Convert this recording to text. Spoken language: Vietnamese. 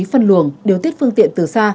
phân luồng điều tiết phương tiện từ xa